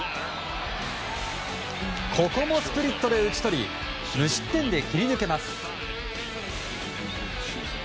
ここもスプリットで打ち取り無失点で切り抜けます。